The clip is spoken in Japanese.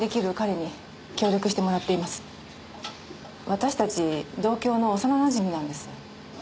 私たち同郷の幼なじみなんです。